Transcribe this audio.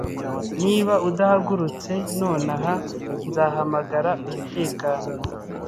Niba udahagurutse nonaha, nzahamagara umutekano